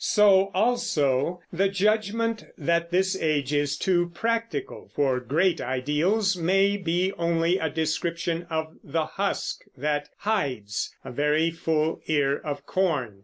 So also the judgment that this age is too practical for great ideals may be only a description of the husk that hides a very full ear of corn.